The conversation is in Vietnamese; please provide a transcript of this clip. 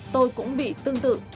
tôi cũng bị tương tự